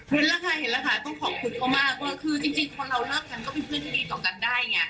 เห็นค่ะต้องขอบคุณเขามาก